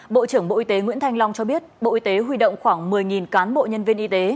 bộ trưởng bộ y tế nguyễn thanh long cho biết bộ y tế huy động khoảng một mươi cán bộ nhân viên y tế